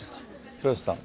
広瀬さん